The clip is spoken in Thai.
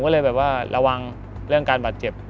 ผมก็เลยระวังเรื่องการบาดเจ็บ